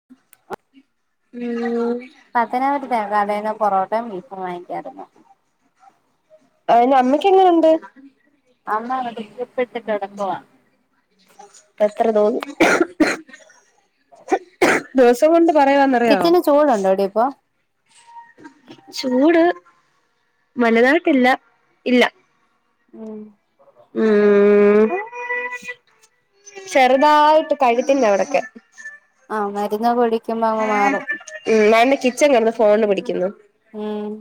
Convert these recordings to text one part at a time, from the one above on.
[unintelligible] പത്തനാപുരത്തെ കടേന്ന് പൊറോട്ട ബീഫും വാങ്ങിക്കായിരുന്നു അയ്ന് അമ്മയ്ക്കെങ്ങനെണ്ട് അമ്മ അങ്ങ് ട്രിപ്പിട്ട് കിടക്കുവാ എത്ര ദോ ദിവസം കൊണ്ട് പറയാന്ന കിച്ചന് ചൂടുണ്ടോ ഡീ ഇപ്പൊ ചൂട് വലുതായിട്ടില്ല ഇല്ല ഉം ഉം ചെറുതായിട്ട് കഴുത്തിന്റെ അവടെക്കെ ആഹ് മരുന്ന് പിടിക്കുമ്പം അങ്ങ് മാറും ഉം ഞാന് കിച്ചൻ കടന്ന് ഫോണ് പിടിക്കുന്നു ഉം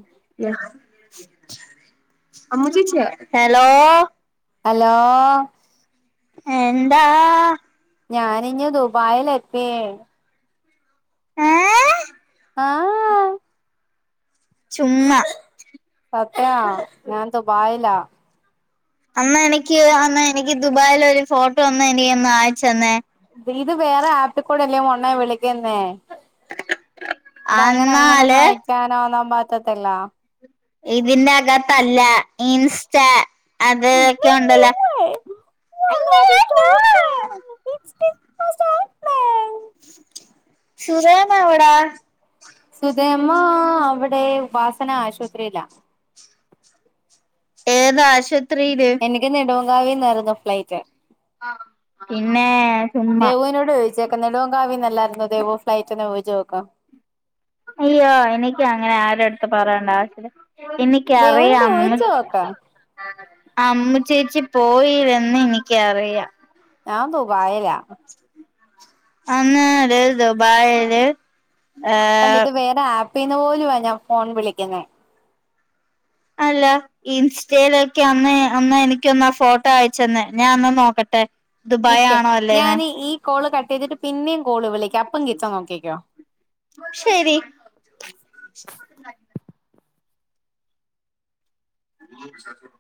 അമ്മു ചേച്ചിയാ ഹലോ ഹലോ എന്താ ഞാനിഞ് ദുബായിൽ എത്തിയേ ഏ ആഹ് ചുമ്മാ സത്യ ഞാൻ ദുബായിലാ അന്ന എനിക്ക് അന്ന എനിക്ക് ദുബായിലൊരു ഫോട്ടോ ഒന്ന് എനിക്ക് ഒന്ന് അയച്ച് തന്നേ ത് ഇത് വേറെ ആപ്പികൂടെല്ലേ മൊണ്ണേ വിളിക്കുന്നേ ഇവിടെ അങ്ങനെ അങ്ങനെ ഒന്നും അന്നാല് അയിക്കാനോ ഒന്നും പറ്റത്തില്ലാ ഇതിന്റെ അകത്തല്ല ഇൻസ്റ്റ അതെ ഒക്കെ ഉണ്ടല്ലോ [unintelligible] [unintelligible] സുരയമാ എവടാ സുധേമ്മ അവിടെ ഉപാസന ആശുപത്രിയിലാ ഏതാശുപത്രിയില് എനിക്ക് നെടുവങ്കാവീന്നായിരുന്നു ഫ്ലൈറ്റ് പിന്നേ സുമ്മാ ച്ചേക്കെലോങ്കാവിന്നല്ലായിരുന്നു ദേവോ ഫ്ലൈറ്റ്നെവ്ചോക്കാം അയ്യോ എനിക്ക് അങ്ങനെ ആരടുത്ത് പറയണ്ട ആവശ്യം എനി ക്കറിയാം ദേവുനോട് അമ്മു ചോദിച്ചു നോക്ക് അമ്മു ചേച്ചി പോയില്ലെന്ന് എനിക്കറിയാം ഞാൻ ദുബായിലാ അന്നാല് ദുബായില് കണ്ട ഏഹ് ഇത് വേറെ ആപ്പിന്ന് പോലുവാ ഞാൻ ഫോൺ വിളിക്കുന്നെ അല്ല ഇൻസ്റ്റയിലൊക്കെ ഒന്ന് അന്ന് എനിക്കൊന്നാ ഫോട്ടോ അയച്ചെന്ന ഞാൻ അന്ന് നോക്കട്ടെ ദുബായ് നിക്ക് ആണോ ഞാൻ അല്ലേന്ന് ഈ കോള് കട്ട് ചെയ്തിട്ട് പിന്നെയും കോള് വിളിക്കാം അപ്പം കിട്ടോ നോക്കിക്കോ ശരി [unintelligible]